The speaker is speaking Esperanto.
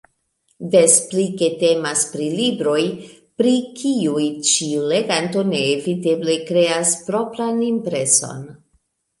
Des pli ke temas pri libroj, pri kiuj ĉiu leganto neeviteble kreas propran impreson.